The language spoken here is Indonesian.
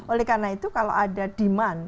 oleh karena itu kalau ada demand